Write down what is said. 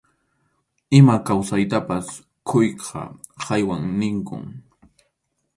Ima kawsaytapas quyqa hayway ninkum.